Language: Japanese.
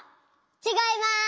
ちがいます。